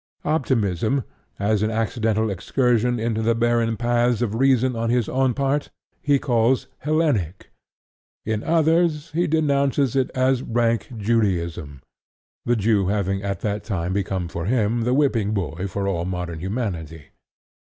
Optimism, as an accidental excursion into the barren paths of reason on his own part, he calls "Hellenic." In others he denounces it as rank Judaism, the Jew having at that time become for him the whipping boy for all modern humanity.